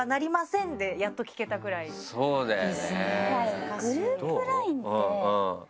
そうだよね。